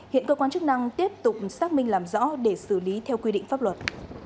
hiện cơ quan chức năng tiếp tục xác minh làm rõ để xử lý theo quy định pháp luật